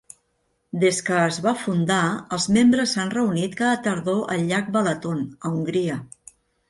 Des que es va fundar, els membres s'han reunit cada tardor al llac Balaton, a Hongria.